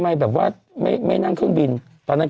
แล้วค่อยตอบ